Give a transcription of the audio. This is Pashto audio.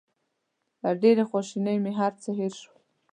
له ډېرې خواشینۍ مې هر څه هېر شول.